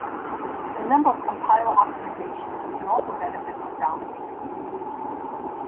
A number of compiler optimizations can also benefit from dominators.